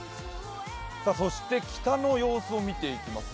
そして北の様子を見ていきます